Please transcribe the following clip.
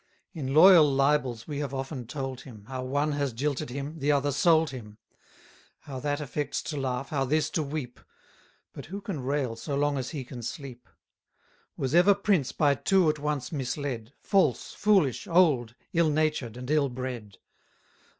In loyal libels we have often told him, How one has jilted him, the other sold him: How that affects to laugh, how this to weep; 70 But who can rail so long as he can sleep? Was ever prince by two at once misled, False, foolish, old, ill natured, and ill bred?